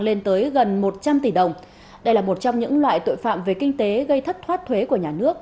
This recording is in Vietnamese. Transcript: lên tới gần một trăm linh tỷ đồng đây là một trong những loại tội phạm về kinh tế gây thất thoát thuế của nhà nước